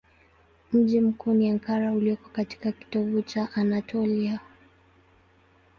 Mji mkuu ni Ankara ulioko katika kitovu cha Anatolia.